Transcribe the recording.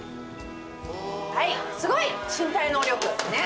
はいすごい身体能力ね。